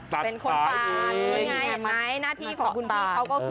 เป็นคนปลานน่าที่ขอบคุณพี่เขาก็คือ